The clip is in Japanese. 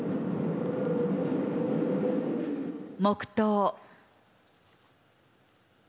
黙とう。